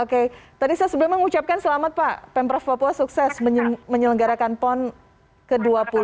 oke tadi saya sebelumnya mengucapkan selamat pak pemprov papua sukses menyelenggarakan pon ke dua puluh